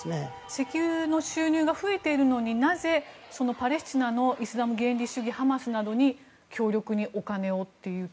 石油の収入が増えているのになぜ、パレスチナのイスラム原理主義組織ハマスなどに強力にお金をという。